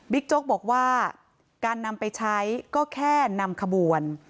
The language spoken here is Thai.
โจ๊กบอกว่าการนำไปใช้ก็แค่นำขบวน